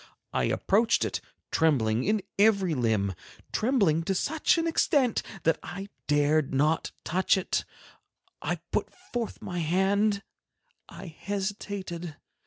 I approached it, trembling in every limb, trembling to such an extent that I dared not touch it, I put forth my hand, I hesitated.